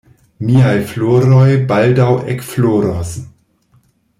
Miaj floroj baldaŭ ekfloros.